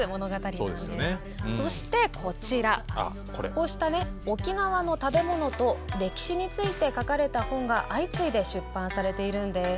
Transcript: こうした沖縄の食べ物と歴史について書かれた本が相次いで出版されているんです。